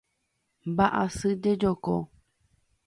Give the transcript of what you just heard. Mba'asy jejoko.